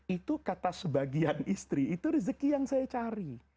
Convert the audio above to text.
itu kata sebagian istri itu rezeki yang saya cari